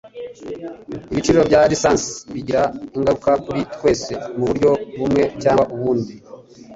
Ibiciro bya lisansi bigira ingaruka kuri twese muburyo bumwe cyangwa ubundi